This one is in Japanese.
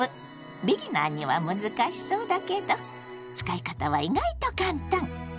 ビギナーには難しそうだけど使い方は意外と簡単！